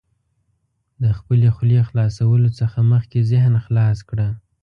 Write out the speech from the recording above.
د خپلې خولې خلاصولو څخه مخکې ذهن خلاص کړه.